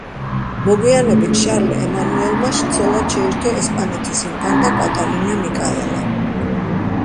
მოგვიანებით შარლ ემანუელმა ცოლად შეირთო ესპანეთის ინფანტა კატალინა მიკაელა.